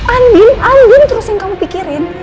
andin andin terus yang kamu pikirin